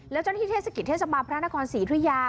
แล้วเจ้าหน้าที่เทศกิจเทศบาลพระนครศรีธุยา